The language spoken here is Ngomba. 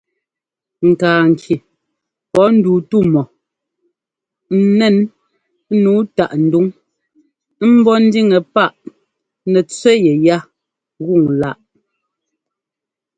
Ŋkaa ŋki pɔ́ nduu tú mɔ n nɛn nǔu táꞌ nduŋ ḿbɔ́ ńdíŋɛ páꞌ nɛtsẅɛ́ yɛyá gúŋláꞌ.